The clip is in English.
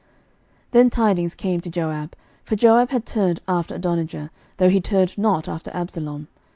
11:002:028 Then tidings came to Joab: for Joab had turned after Adonijah, though he turned not after Absalom.